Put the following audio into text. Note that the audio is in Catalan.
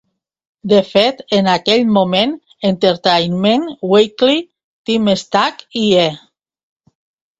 De fet, en aquell moment, "Entertainment Weekly" Tim Stack i "E!